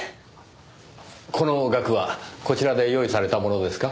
この額はこちらで用意されたものですか？